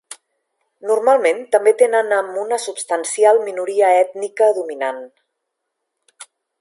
Normalment també tenen amb una substancial minoria ètnica dominant.